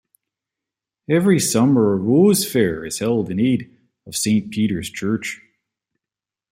Every summer a "Rose Fair" is held in aid of Saint Peter's Church.